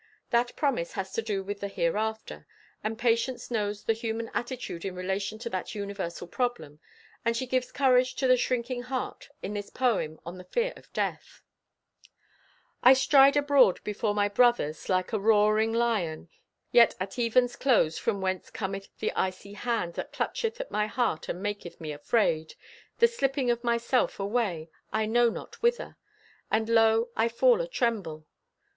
That promise has to do with the hereafter, and Patience knows the human attitude in relation to that universal problem, and she gives courage to the shrinking heart in this poem on the fear of death: I stride abroad before my brothers like a roaring lion, Yet at even's close from whence cometh the icy hand That clutcheth at my heart and maketh me afraid— The slipping of myself away, I know not whither? And lo, I fall atremble.